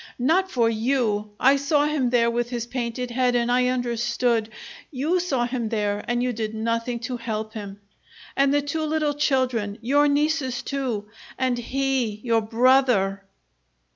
"Not for you! I saw him there with his painted head and I understood! You saw him there, and you did nothing to help him! And the two little children your nieces, too, and he your brother!"